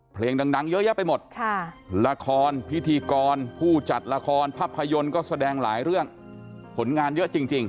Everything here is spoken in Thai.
เพลงดังเยอะแยะไปหมดละครพิธีกรผู้จัดละครภาพยนตร์ก็แสดงหลายเรื่องผลงานเยอะจริง